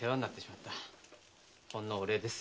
ほんのお礼です。